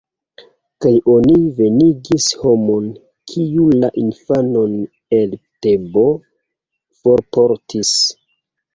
Kaj oni venigis homon, kiu la infanon el Tebo forportis.